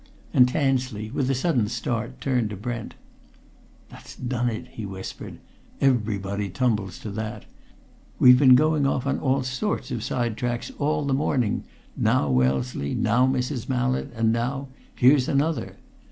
And Tansley, with a sudden start, turned to Brent. "That's done it!" he whispered. "Everybody tumbles to that! We've been going off on all sorts of side tracks all the morning, now Wellesley, now Mrs. Mallett, and now here's another!